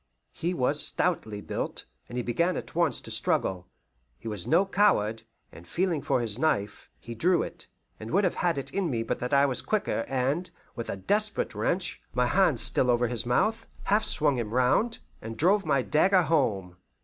He was stoutly built, and he began at once to struggle. He was no coward, and feeling for his knife, he drew it, and would have had it in me but that I was quicker, and, with a desperate wrench, my hand still over his mouth, half swung him round, and drove my dagger home.